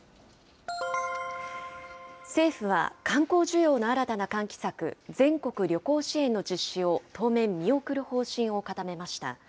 政府は観光需要の新たな喚起策、全国旅行支援の実施を、当面見送る方針を固めました。